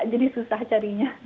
jadi susah carinya